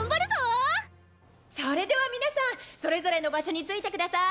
それでは皆さんそれぞれの場所について下さい。